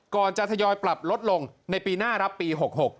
ก่อนจะทยอยปรับลดลงในปีหน้ารับปี๖๖